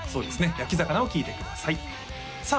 「焼き魚」を聴いてくださいさあ